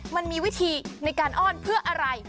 มันมีวิธีในการอ้อนเพื่ออะไร